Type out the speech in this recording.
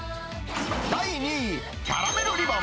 第２位、キャラメルリボン。